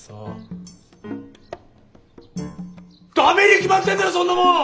ダメに決まってんだろそんなもん！